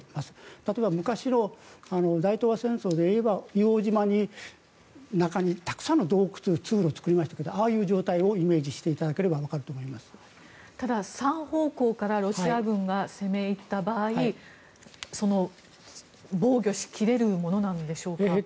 例えば、昔の大東亜戦争で言えば硫黄島の中にたくさんの洞窟、通路を作りましたがああいう状態をイメージしていただければただ３方向からロシア軍が攻め入った場合防御しきれるものでしょうか。